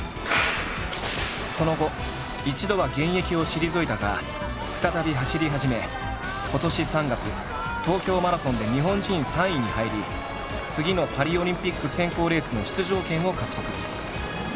その後一度は現役を退いたが再び走り始め今年３月東京マラソンで日本人３位に入り次のパリオリンピック選考レースの出場権を獲得。